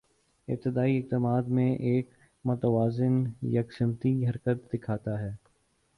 ابتدائی اقدامات میں ایک متوازن یکسمتی حرکت دکھاتا ہے